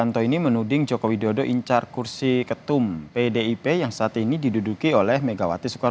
tudingan anda soal tudingan ini gimana nih